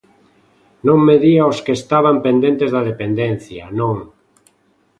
Non medía os que estaban pendentes da dependencia, non.